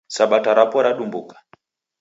Sabata rapo radumbuka